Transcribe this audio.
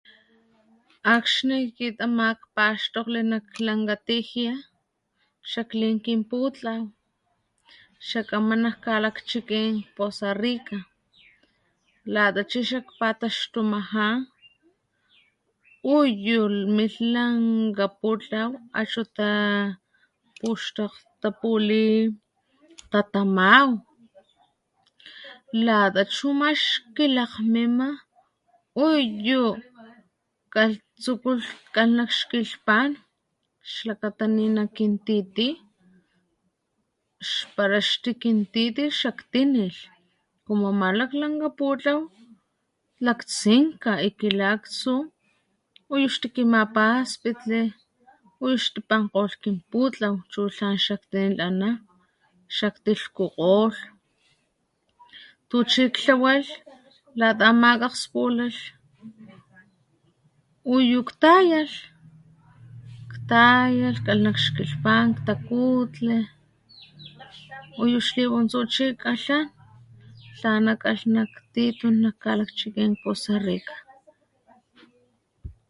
Akxni akit ama kpaxtokglí nak lanka tijia xaklin kin putlaw xa kgama nak kalakchikin Poza Rica, lata chi xak pataxtumaja, uyu milh lankga putlaw achu ta puxtakgtapuli tatamaw, lata chuma xkilakgmima, uyu kalh tsukulh kan nak ixkilhpan xlakata ninakintiti para xtikintitilh xak tinilh, como ama laklanka putlaw laktsinka kila aktsu uyu xkikimapaspitli, uyu xtipankgolh kin putlaw chu tlan xak tinilh ana, xaktilhkukgolh tuchi klhawalh lata ama kakgspulalh uyu ktayalh, ktayalh kalh nak xkilhpan, ktakutli uyu xlipuntsu chi kalha, tlana kalh titun nak kalakchikin Poza Rica